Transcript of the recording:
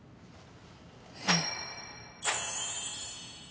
えっ。